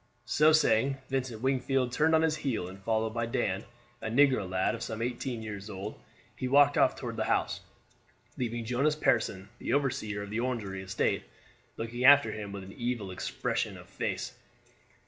So saying, Vincent Wingfield turned on his heel, and followed by Dan, a negro lad of some eighteen years old, he walked off toward the house, leaving Jonas Pearson, the overseer of the Orangery estate, looking after him with an evil expression of face.